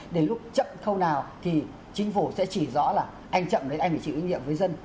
để lúc chậm khâu nào thì chính phủ sẽ chỉ rõ là anh chậm đấy anh phải chịu ý nghiệm với dân